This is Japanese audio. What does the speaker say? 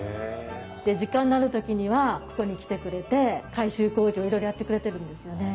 で時間のある時にはここに来てくれて改修工事をいろいろやってくれてるんですよね。